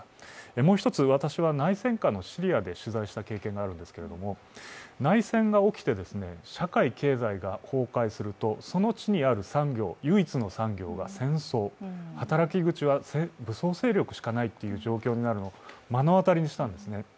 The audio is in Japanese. もう一つ、私は内戦下のシリアで取材した経験があるんですけれども内戦が起きて、社会・経済が崩壊するとその地にある唯一の産業が戦争、働き口は武装勢力しかないという状況になるのを目の当たりにしたんですね。